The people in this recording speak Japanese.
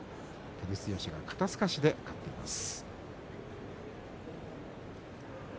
照強が肩すかしで勝っています。